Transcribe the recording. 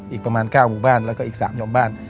อีกประมาณ๙หมู่บ้านแล้วก็อีก๓ยอมบ้าน